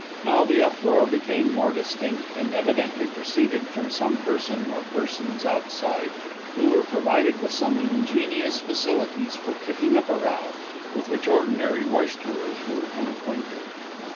Now the uproar became more distinct, and evidently proceeded from some person or persons outside, who were provided with some ingenious facilities for kicking up a row, with which ordinary roisterers are unacquainted.